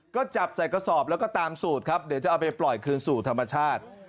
ก็จับใส่กระสอบแล้วก็ตามสูตรครับเดี๋ยวจะเอาไปปล่อยคืนสู่ธรรมชาติ